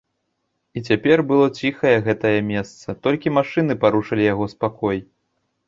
І цяпер было ціхае гэтае месца, толькі машыны парушылі яго спакой.